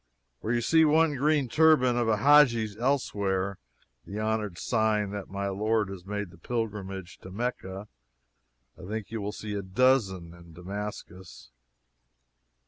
Where you see one green turban of a Hadji elsewhere (the honored sign that my lord has made the pilgrimage to Mecca,) I think you will see a dozen in Damascus.